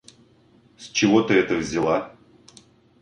С чего ты это взяла?